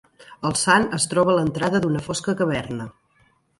El sant es troba a l'entrada d'una fosca caverna.